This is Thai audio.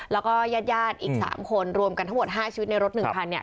แล้วก็ญาติอีก๓คนรวมกันทั้งหมด๕ชีวิตในรถ๑คัน